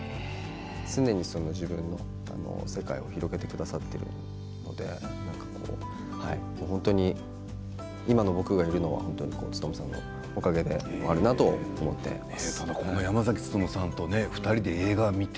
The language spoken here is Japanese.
常に自分の世界を広げてくださっているので今の僕がいるのは努さんのおかげでもあるなと思っています。